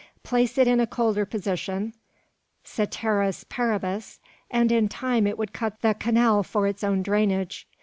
Place it in a colder position, ceteris paribus, and in time it would cut the canal for its own drainage.